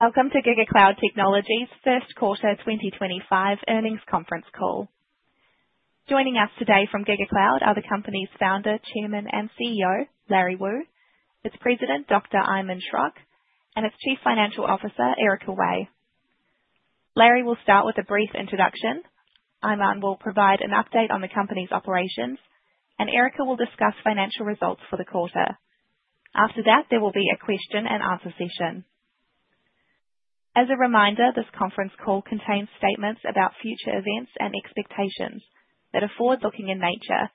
Welcome to GigaCloud Technology's First Quarter 2025 Earnings Conference Call. Joining us today from GigaCloud are the company's Founder, Chairman, and CEO, Larry Wu, its President, Dr. Iman Schrock, and its Chief Financial Officer, Erica Wei. Larry will start with a brief introduction, Iman will provide an update on the company's operations, and Erica will discuss financial results for the quarter. After that, there will be a question and answer session. As a reminder, this conference call contains statements about future events and expectations that are forward-looking in nature,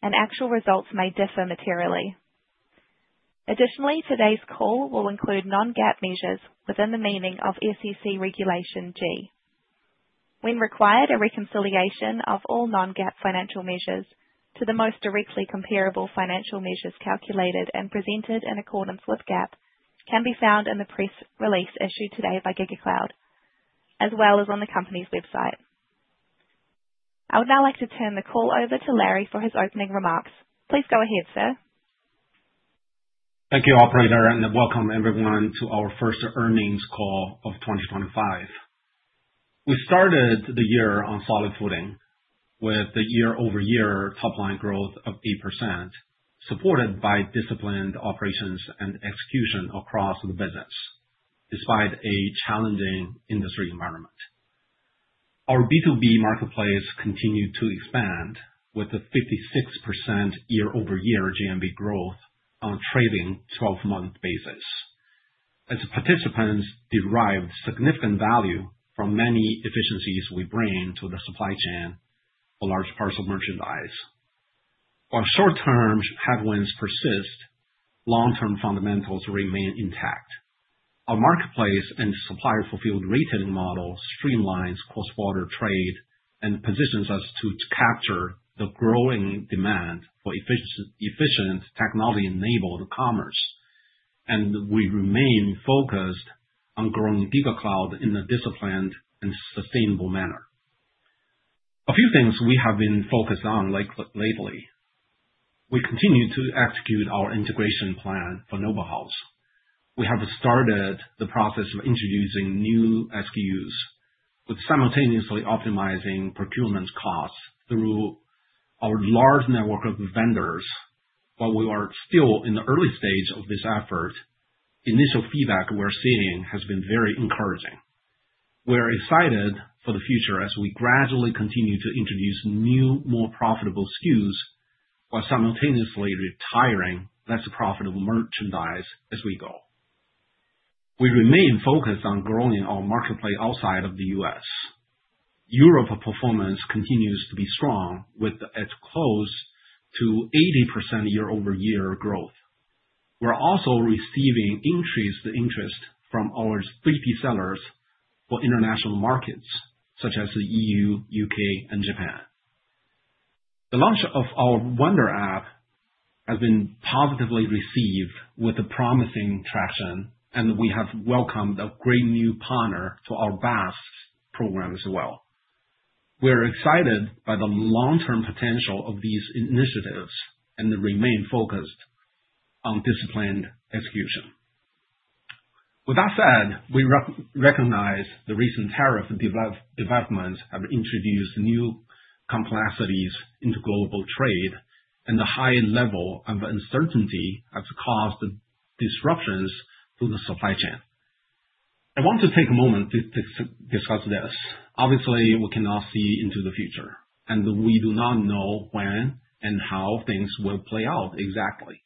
and actual results may differ materially. Additionally, today's call will include non-GAAP measures within the meaning of SEC Regulation G. When required, a reconciliation of all non-GAAP financial measures to the most directly comparable financial measures calculated and presented in accordance with GAAP can be found in the press release issued today by GigaCloud, as well as on the company's website. I would now like to turn the call over to Larry for his opening remarks. Please go ahead, sir. Thank you, Operator, and welcome everyone to our first earnings call of 2025. We started the year on solid footing with the year-over-year top-line growth of 8%, supported by disciplined operations and execution across the business despite a challenging industry environment. Our B2B marketplace continued to expand with a 56% year-over-year GMV growth on a trailing 12-month basis. As participants derived significant value from many efficiencies we bring to the supply chain for large parcel merchandise. While short-term headwinds persist, long-term fundamentals remain intact. Our marketplace and supplier-fulfilled retailing model streamlines cross-border trade and positions us to capture the growing demand for efficient technology-enabled commerce, and we remain focused on growing GigaCloud in a disciplined and sustainable manner. A few things we have been focused on lately: we continue to execute our integration plan for Noble House. We have started the process of introducing new SKUs while simultaneously optimizing procurement costs through our large network of vendors. While we are still in the early stage of this effort, initial feedback we're seeing has been very encouraging. We're excited for the future as we gradually continue to introduce new, more profitable SKUs while simultaneously retiring less profitable merchandise as we go. We remain focused on growing our marketplace outside of the U.S. Europe performance continues to be strong with close to 80% year-over-year growth. We're also receiving increased interest from our 3P sellers for international markets such as the E.U., U.K., and Japan. The launch of our Wonder App has been positively received with promising traction, and we have welcomed a great new partner to our BaaS Program as well. We're excited by the long-term potential of these initiatives and remain focused on disciplined execution. With that said, we recognize the recent tariff developments have introduced new complexities into global trade and the high level of uncertainty that's caused disruptions to the supply chain. I want to take a moment to discuss this. Obviously, we cannot see into the future, and we do not know when and how things will play out exactly.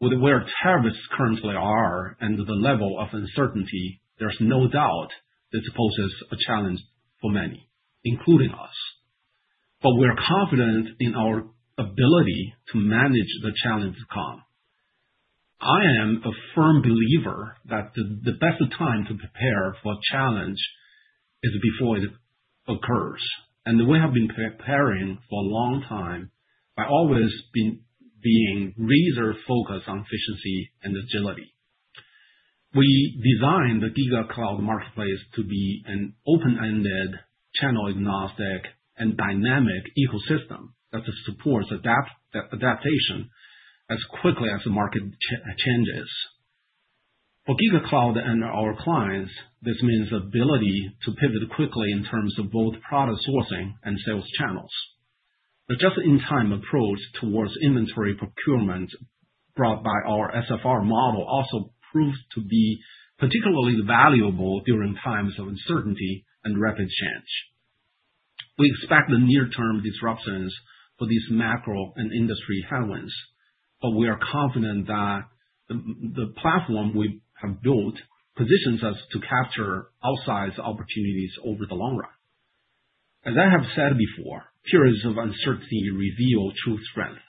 With where tariffs currently are and the level of uncertainty, there's no doubt this poses a challenge for many, including us. We are confident in our ability to manage the challenge to come. I am a firm believer that the best time to prepare for a challenge is before it occurs, and we have been preparing for a long time by always being razor-focused on efficiency and agility. We designed the GigaCloud Marketplace to be an open-ended, channel-agnostic, and dynamic ecosystem that supports adaptation as quickly as the market changes. For GigaCloud and our clients, this means the ability to pivot quickly in terms of both product sourcing and sales channels. The just-in-time approach towards inventory procurement brought by our SFR model also proves to be particularly valuable during times of uncertainty and rapid change. We expect the near-term disruptions for these macro and industry headwinds, but we are confident that the platform we have built positions us to capture outsized opportunities over the long run. As I have said before, periods of uncertainty reveal true strength.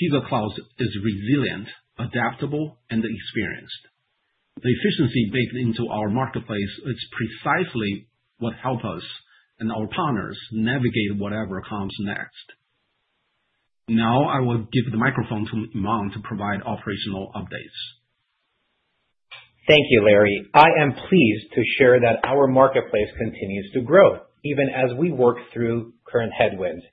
GigaCloud is resilient, adaptable, and experienced. The efficiency baked into our marketplace is precisely what helps us and our partners navigate whatever comes next. Now I will give the microphone to Iman to provide operational updates. Thank you, Larry. I am pleased to share that our marketplace continues to grow even as we work through current headwinds.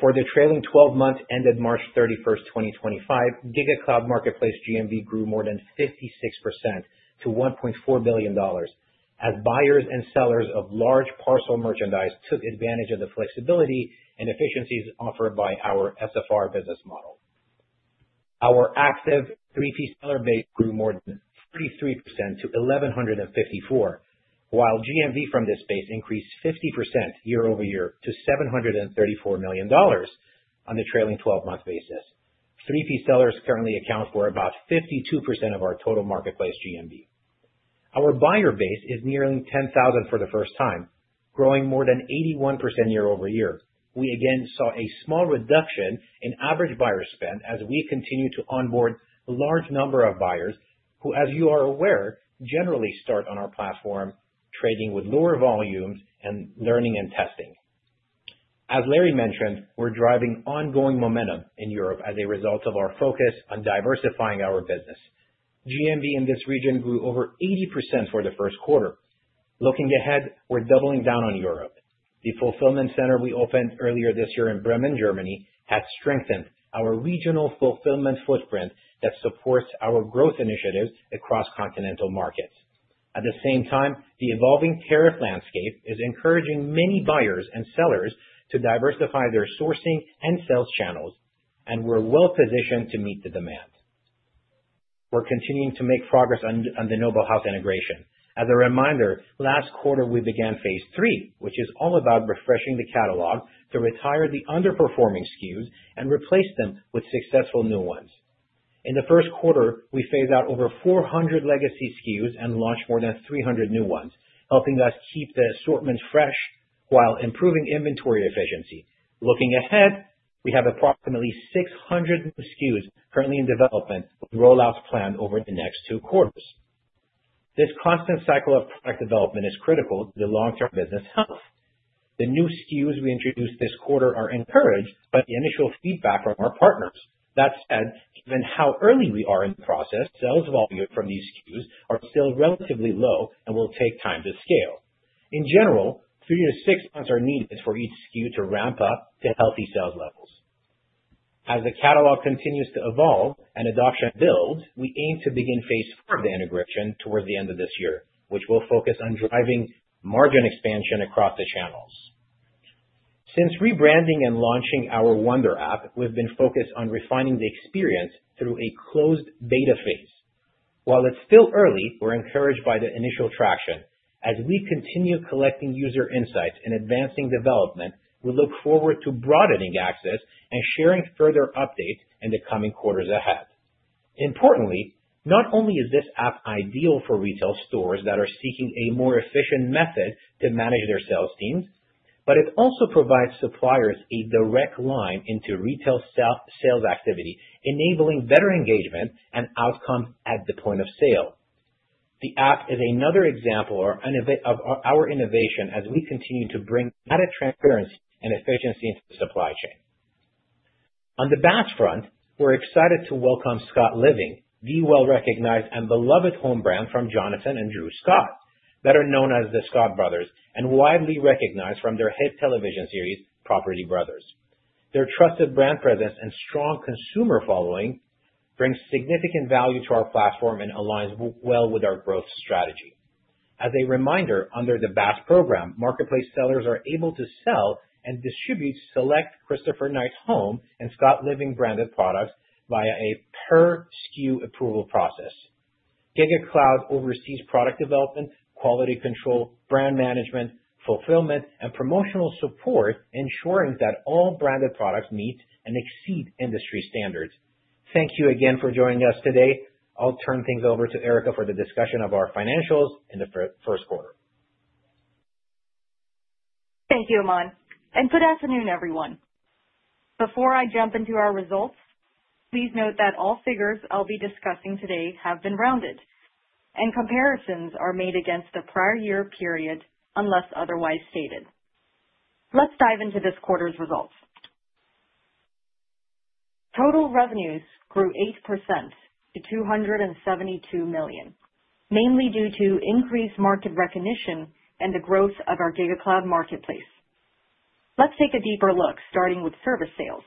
For the trailing 12 months ended March 31st, 2025, GigaCloud Marketplace GMV grew more than 56% to $1.4 billion as buyers and sellers of large parcel merchandise took advantage of the flexibility and efficiencies offered by our SFR business model. Our active 3P seller base grew more than 43% to 1,154, while GMV from this space increased 50% year-over-year to $734 million on the trailing 12-month basis. 3P sellers currently account for about 52% of our total marketplace GMV. Our buyer base is nearly 10,000 for the first time, growing more than 81% year-over-year. We again saw a small reduction in average buyer spend as we continue to onboard a large number of buyers who, as you are aware, generally start on our platform trading with lower volumes and learning and testing. As Larry mentioned, we're driving ongoing momentum in Europe as a result of our focus on diversifying our business. GMV in this region grew over 80% for the first quarter. Looking ahead, we're doubling down on Europe. The fulfillment center we opened earlier this year in Bremen, Germany, has strengthened our regional fulfillment footprint that supports our growth initiatives across continental markets. At the same time, the evolving tariff landscape is encouraging many buyers and sellers to diversify their sourcing and sales channels, and we're well-positioned to meet the demand. We're continuing to make progress on the Noble House integration. As a reminder, last quarter we began phase three, which is all about refreshing the catalog to retire the underperforming SKUs and replace them with successful new ones. In the first quarter, we phased out over 400 legacy SKUs and launched more than 300 new ones, helping us keep the assortment fresh while improving inventory efficiency. Looking ahead, we have approximately 600 new SKUs currently in development with rollouts planned over the next two quarters. This constant cycle of product development is critical to the long-term business health. The new SKUs we introduce this quarter are encouraged by the initial feedback from our partners. That said, given how early we are in the process, sales volume from these SKUs are still relatively low and will take time to scale. In general, three to six months are needed for each SKU to ramp up to healthy sales levels. As the catalog continues to evolve and adoption builds, we aim to begin phase four of the integration towards the end of this year, which will focus on driving margin expansion across the channels. Since rebranding and launching our Wonder App, we've been focused on refining the experience through a closed beta phase. While it's still early, we're encouraged by the initial traction. As we continue collecting user insights and advancing development, we look forward to broadening access and sharing further updates in the coming quarters ahead. Importantly, not only is this app ideal for retail stores that are seeking a more efficient method to manage their sales teams, but it also provides suppliers a direct line into retail sales activity, enabling better engagement and outcomes at the point of sale. The app is another example of our innovation as we continue to bring added transparency and efficiency into the supply chain. On the BaaS front, we're excited to welcome Scott Living, the well-recognized and beloved home brand from Jonathan and Drew Scott that are known as the Scott Brothers and widely recognized from their hit television series, Property Brothers. Their trusted brand presence and strong consumer following bring significant value to our platform and align well with our growth strategy. As a reminder, under the BaaS Program, Marketplace sellers are able to sell and distribute select Christopher Knight Home and Scott Living branded products via a per SKU approval process. GigaCloud oversees product development, quality control, brand management, fulfillment, and promotional support, ensuring that all branded products meet and exceed industry standards. Thank you again for joining us today. I'll turn things over to Erica for the discussion of our financials in the first quarter. Thank you, Iman. And good afternoon, everyone. Before I jump into our results, please note that all figures I'll be discussing today have been rounded, and comparisons are made against the prior year period unless otherwise stated. Let's dive into this quarter's results. Total revenues grew 8% to $272 million, mainly due to increased market recognition and the growth of our GigaCloud Marketplace. Let's take a deeper look, starting with service sales.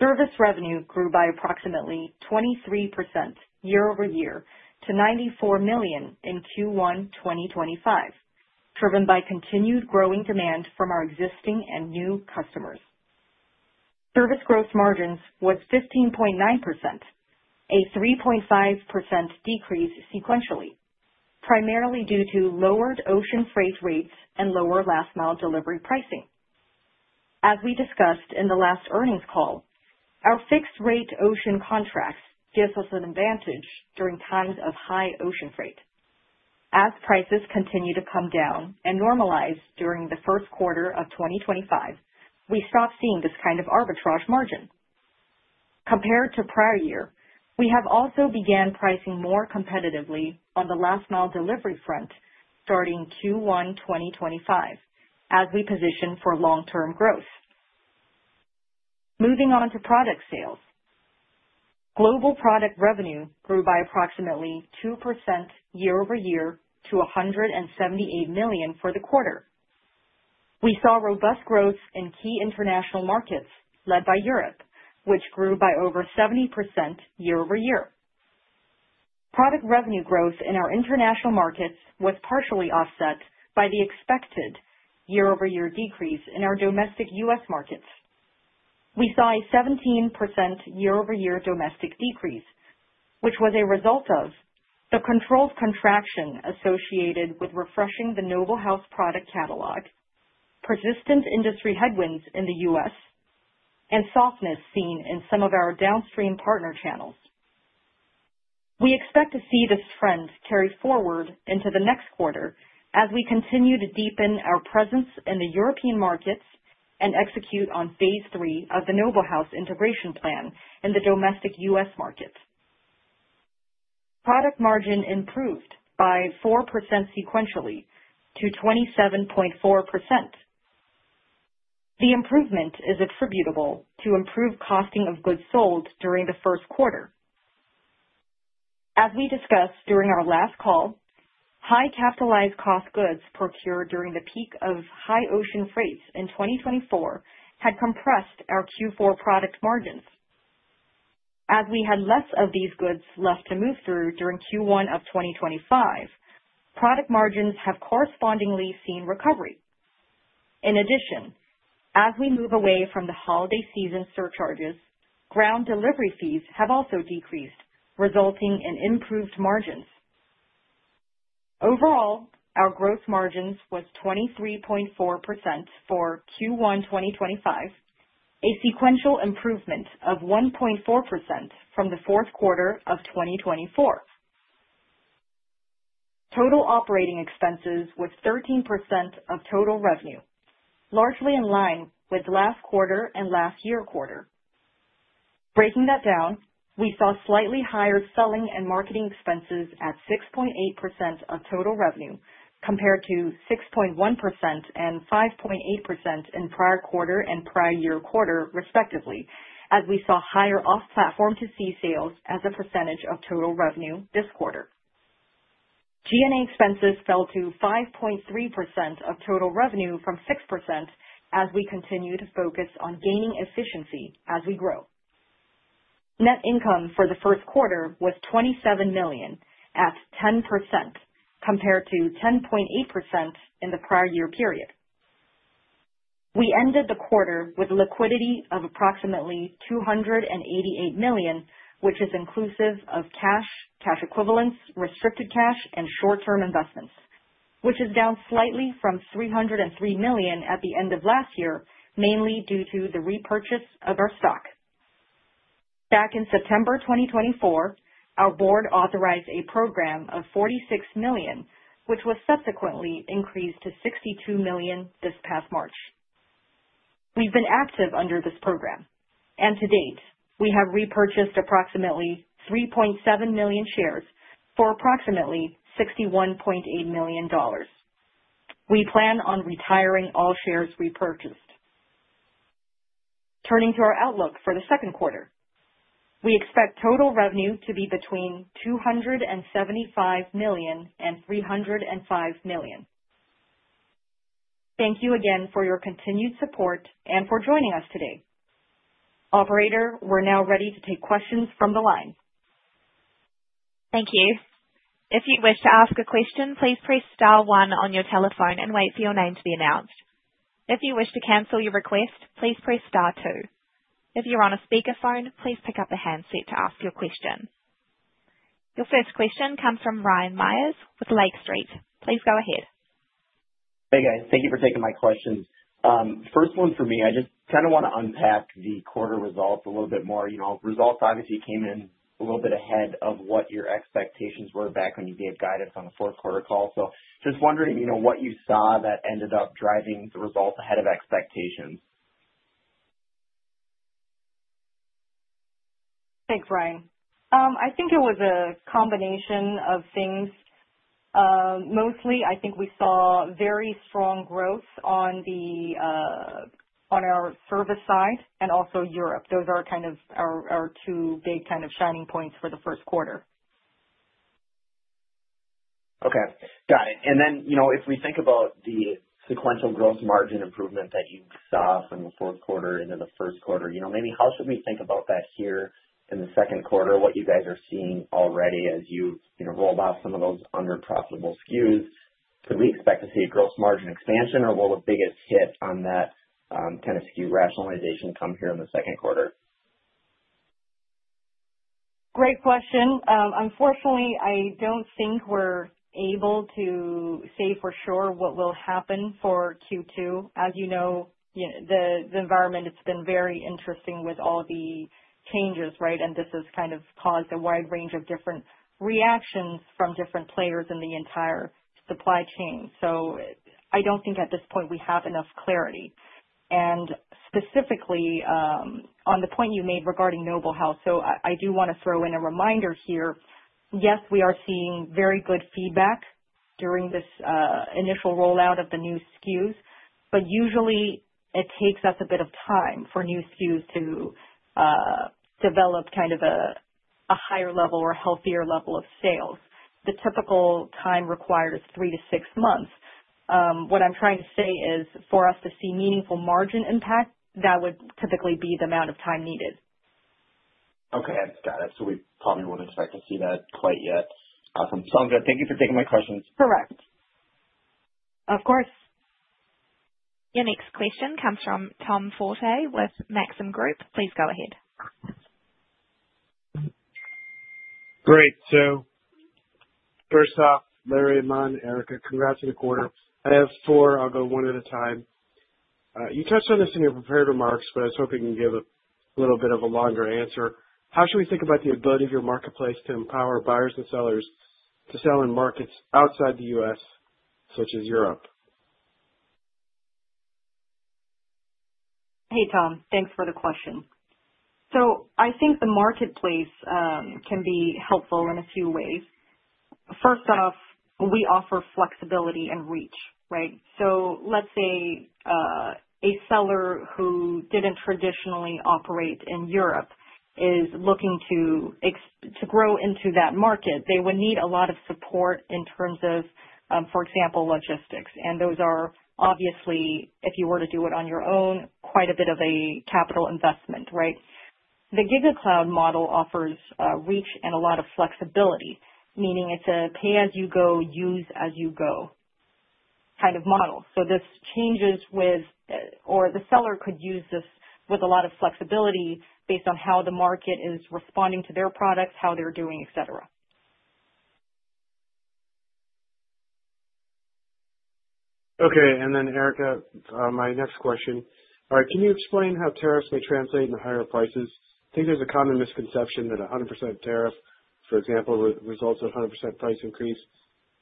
Service revenue grew by approximately 23% year-over-year to $94 million in Q1, 2025, driven by continued growing demand from our existing and new customers. Service gross margins were 15.9%, a 3.5% decrease sequentially, primarily due to lowered ocean freight rates and lower last-mile delivery pricing. As we discussed in the last earnings call, our fixed-rate ocean contracts give us an advantage during times of high ocean freight. As prices continue to come down and normalize during the first quarter of 2025, we stopped seeing this kind of arbitrage margin. Compared to prior year, we have also begun pricing more competitively on the last-mile delivery front starting Q1 2025, as we position for long-term growth. Moving on to product sales, global product revenue grew by approximately 2% year-over-year to $178 million for the quarter. We saw robust growth in key international markets led by Europe, which grew by over 70% year-over-year. Product revenue growth in our international markets was partially offset by the expected year-over-year decrease in our domestic U.S. markets. We saw a 17% year-over-year domestic decrease, which was a result of the controlled contraction associated with refreshing the Noble House product catalog, persistent industry headwinds in the U.S., and softness seen in some of our downstream partner channels. We expect to see this trend carry forward into the next quarter as we continue to deepen our presence in the European markets and execute on phase three of the Noble House integration plan in the domestic U.S. markets. Product margin improved by 4% sequentially to 27.4%. The improvement is attributable to improved costing of goods sold during the first quarter. As we discussed during our last call, high capitalized cost goods procured during the peak of high ocean freights in 2024 had compressed our Q4 product margins. As we had less of these goods left to move through during Q1 of 2025, product margins have correspondingly seen recovery. In addition, as we move away from the holiday season surcharges, ground delivery fees have also decreased, resulting in improved margins. Overall, our gross margins were 23.4% for Q1, 2025, a sequential improvement of 1.4% from the fourth quarter of 2024. Total operating expenses were 13% of total revenue, largely in line with last quarter and last year quarter. Breaking that down, we saw slightly higher selling and marketing expenses at 6.8% of total revenue compared to 6.1% and 5.8% in prior quarter and prior year quarter, respectively, as we saw higher off-platform-to-sea sales as a percentage of total revenue this quarter. G&A expenses fell to 5.3% of total revenue from 6% as we continue to focus on gaining efficiency as we grow. Net income for the first quarter was $27 million at 10% compared to 10.8% in the prior year period. We ended the quarter with liquidity of approximately $288 million, which is inclusive of cash, cash equivalents, restricted cash, and short-term investments, which is down slightly from $303 million at the end of last year, mainly due to the repurchase of our stock. Back in September 2024, our board authorized a program of $46 million, which was subsequently increased to $62 million this past March. We've been active under this program, and to date, we have repurchased approximately 3.7 million shares for approximately $61.8 million. We plan on retiring all shares repurchased. Turning to our outlook for the second quarter, we expect total revenue to be between $275 million and $305 million. Thank you again for your continued support and for joining us today. Operator, we're now ready to take questions from the line. Thank you. If you wish to ask a question, please press star one on your telephone and wait for your name to be announced. If you wish to cancel your request, please press star two. If you're on a speakerphone, please pick up a handset to ask your question. Your first question comes from Ryan Meyers with Lake Street. Please go ahead. Hey, guys. Thank you for taking my questions. First one for me, I just kind of want to unpack the quarter results a little bit more. Results obviously came in a little bit ahead of what your expectations were back when you gave guidance on the fourth quarter call. Just wondering what you saw that ended up driving the results ahead of expectations. Thanks, Ryan. I think it was a combination of things. Mostly, I think we saw very strong growth on our service side and also Europe. Those are kind of our two big kind of shining points for the first quarter. Okay. Got it. If we think about the sequential gross margin improvement that you saw from the fourth quarter into the first quarter, maybe how should we think about that here in the second quarter, what you guys are seeing already as you roll out some of those underprofitable SKUs? Could we expect to see a gross margin expansion, or will the biggest hit on that kind of SKU rationalization come here in the second quarter? Great question. Unfortunately, I don't think we're able to say for sure what will happen for Q2. As you know, the environment, it's been very interesting with all the changes, right? This has kind of caused a wide range of different reactions from different players in the entire supply chain. I don't think at this point we have enough clarity. Specifically, on the point you made regarding Noble House, I do want to throw in a reminder here. Yes, we are seeing very good feedback during this initial rollout of the new SKUs, but usually it takes us a bit of time for new SKUs to develop kind of a higher level or healthier level of sales. The typical time required is three to six months. What I'm trying to say is for us to see meaningful margin impact, that would typically be the amount of time needed. Okay. Got it. So we probably wouldn't expect to see that quite yet. Awesome. Sounds good. Thank you for taking my questions. Correct. Of course. Your next question comes from Tom Forte with Maxim Group. Please go ahead. Great. First off, Larry, Iman, Erica, congrats on the quarter. I have four. I'll go one at a time. You touched on this in your prepared remarks, but I was hoping you can give a little bit of a longer answer. How should we think about the ability of your marketplace to empower buyers and sellers to sell in markets outside the U.S., such as Europe? Hey, Tom. Thanks for the question. I think the marketplace can be helpful in a few ways. First off, we offer flexibility and reach, right? Let's say a seller who did not traditionally operate in Europe is looking to grow into that market, they would need a lot of support in terms of, for example, logistics. Those are obviously, if you were to do it on your own, quite a bit of a capital investment, right? The GigaCloud model offers reach and a lot of flexibility, meaning it is a Pay-As-You-Go, use-as-you-go kind of model. This changes with, or the seller could use this with a lot of flexibility based on how the market is responding to their products, how they are doing, etc. Okay. Erica, my next question. All right. Can you explain how tariffs may translate into higher prices? I think there's a common misconception that a 100% tariff, for example, results in a 100% price increase.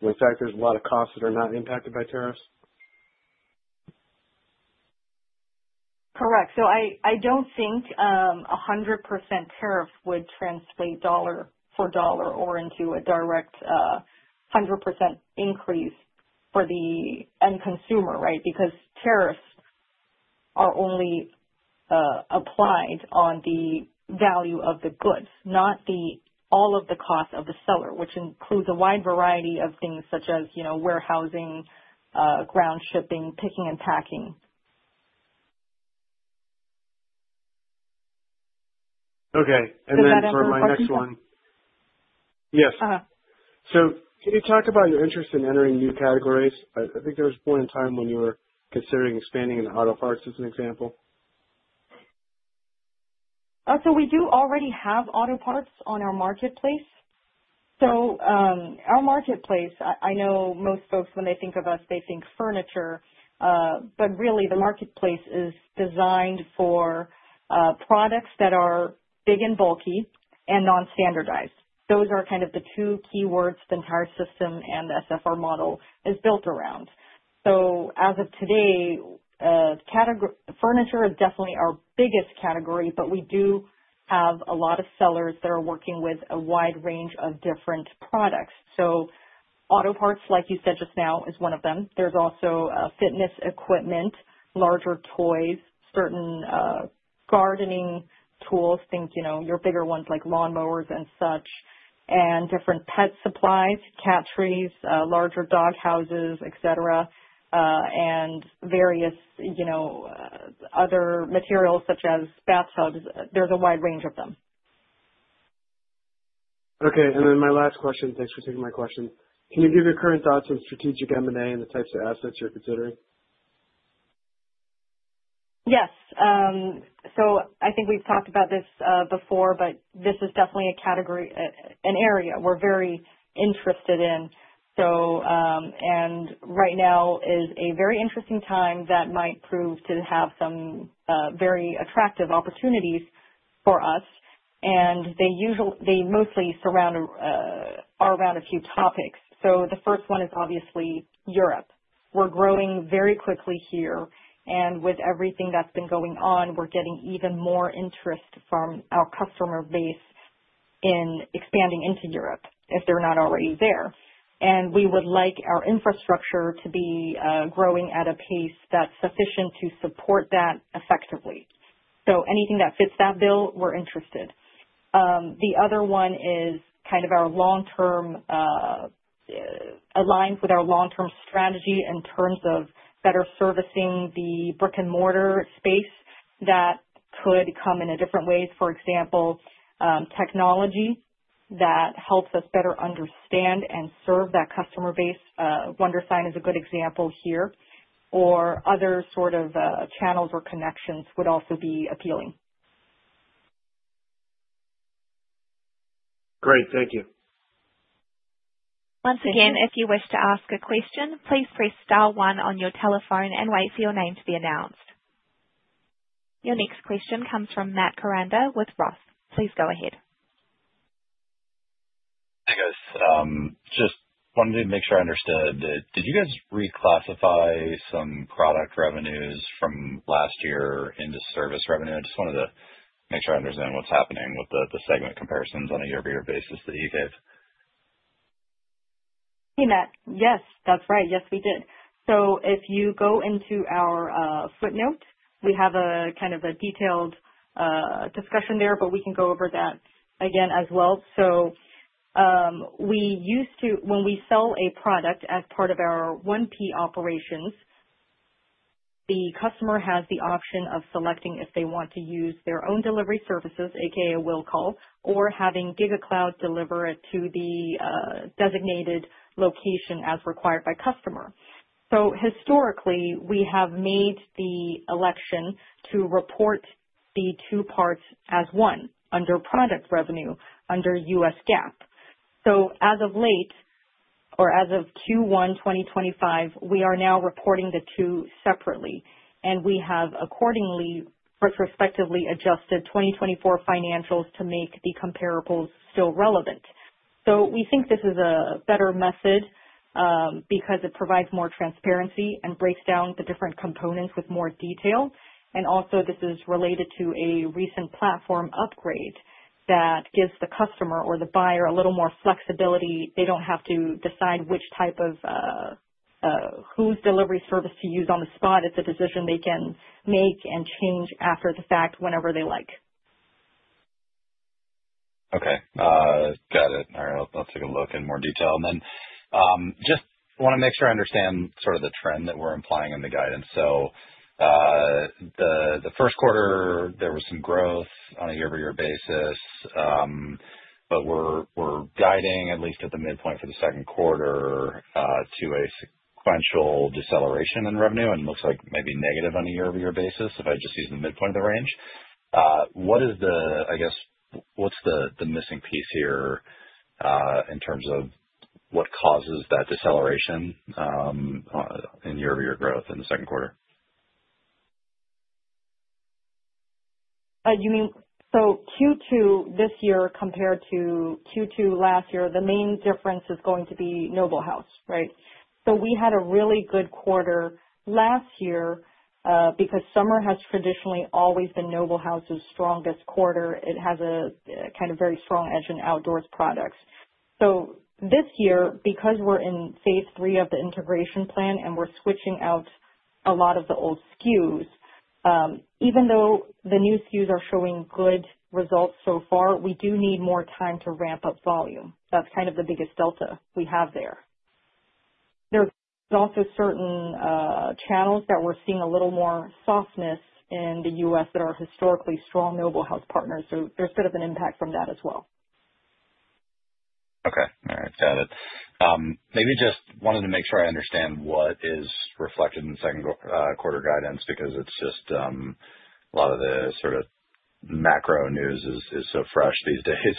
In fact, there's a lot of costs that are not impacted by tariffs. Correct. So I don't think a 100% tariff would translate dollar for dollar or into a direct 100% increase for the end consumer, right? Because tariffs are only applied on the value of the goods, not all of the costs of the seller, which includes a wide variety of things such as warehousing, ground shipping, picking, and packing. Okay. For my next one. That's a good question. Yes. Can you talk about your interest in entering new categories? I think there was a point in time when you were considering expanding into auto parts, as an example. We do already have auto parts on our marketplace. Our marketplace, I know most folks, when they think of us, they think furniture, but really the marketplace is designed for products that are big and bulky and non-standardized. Those are kind of the two keywords the entire system and the SFR model is built around. As of today, furniture is definitely our biggest category, but we do have a lot of sellers that are working with a wide range of different products. Auto parts, like you said just now, is one of them. There is also fitness equipment, larger toys, certain gardening tools, things, your bigger ones like lawn mowers and such, and different pet supplies, cat trees, larger dog houses, etc., and various other materials such as bathtubs. There is a wide range of them. Okay. And then my last question. Thanks for taking my question. Can you give your current thoughts on strategic M&A and the types of assets you're considering? Yes. I think we've talked about this before, but this is definitely a category, an area we're very interested in. Right now is a very interesting time that might prove to have some very attractive opportunities for us. They mostly are around a few topics. The first one is obviously Europe. We're growing very quickly here. With everything that's been going on, we're getting even more interest from our customer base in expanding into Europe if they're not already there. We would like our infrastructure to be growing at a pace that's sufficient to support that effectively. Anything that fits that bill, we're interested. The other one is kind of aligned with our long-term strategy in terms of better servicing the Brick-and-Mortar space that could come in a different way. For example, technology that helps us better understand and serve that customer base. Wondersign is a good example here. Other sort of channels or connections would also be appealing. Great. Thank you. Once again, if you wish to ask a question, please press star one on your telephone and wait for your name to be announced. Your next question comes from Matt Koranda with Roth. Please go ahead. Hey, guys. Just wanted to make sure I understood. Did you guys reclassify some product revenues from last year into service revenue? I just wanted to make sure I understand what's happening with the segment comparisons on a year-over-year basis that you gave. Hey, Matt. Yes, that's right. Yes, we did. If you go into our footnote, we have kind of a detailed discussion there, but we can go over that again as well. When we sell a product as part of our One-P operations, the customer has the option of selecting if they want to use their own delivery services, a.k.a. will call, or having GigaCloud deliver it to the designated location as required by customer. Historically, we have made the election to report the two parts as one under product revenue under U.S. GAAP. As of late or as of Q1 2025, we are now reporting the two separately. We have accordingly retrospectively adjusted 2024 financials to make the comparables still relevant. We think this is a better method because it provides more transparency and breaks down the different components with more detail. This is related to a recent platform upgrade that gives the customer or the buyer a little more flexibility. They don't have to decide which type of whose delivery service to use on the spot. It's a decision they can make and change after the fact whenever they like. Okay. Got it. All right. I'll take a look in more detail. And then just want to make sure I understand sort of the trend that we're implying in the guidance. So the first quarter, there was some growth on a year-over-year basis, but we're guiding, at least at the midpoint for the second quarter, to a sequential deceleration in revenue. And it looks like maybe negative on a year-over-year basis if I just use the midpoint of the range. What is the, I guess, what's the missing piece here in terms of what causes that deceleration in year-over-year growth in the second quarter? Q2 this year compared to Q2 last year, the main difference is going to be Noble House, right? We had a really good quarter last year because summer has traditionally always been Noble House's strongest quarter. It has a kind of very strong edge in outdoors products. This year, because we're in phase three of the integration plan and we're switching out a lot of the old SKUs, even though the new SKUs are showing good results so far, we do need more time to ramp up volume. That's kind of the biggest delta we have there. There's also certain channels that we're seeing a little more softness in the U.S. that are historically strong Noble House partners. There's a bit of an impact from that as well. Okay. All right. Got it. Maybe just wanted to make sure I understand what is reflected in the second quarter guidance because it's just a lot of the sort of macro news is so fresh these days.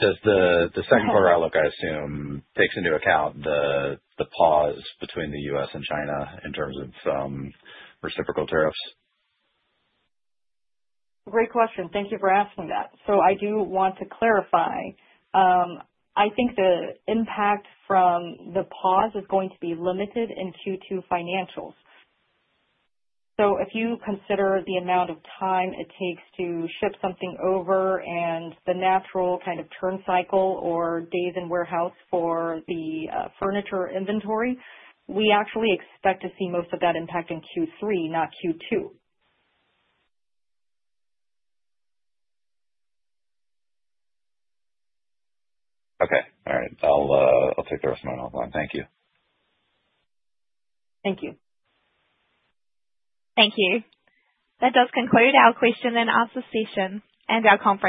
Does the second quarter outlook, I assume, take into account the pause between the U.S. and China in terms of reciprocal tariffs? Great question. Thank you for asking that. I do want to clarify. I think the impact from the pause is going to be limited in Q2 financials. If you consider the amount of time it takes to ship something over and the natural kind of turn cycle or days in warehouse for the furniture inventory, we actually expect to see most of that impact in Q3, not Q2. Okay. All right. I'll take the rest of mine offline. Thank you. Thank you. Thank you. That does conclude our question and answer session and our conference.